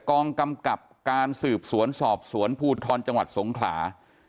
กองกำกับการสืบสวนสอบสวนภูทรจังหวัดสงขลา